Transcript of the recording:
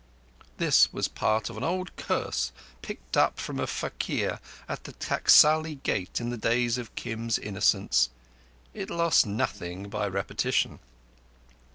This was part of an old curse picked up from a faquir by the Taksali Gate in the days of Kim's innocence. It lost nothing by repetition.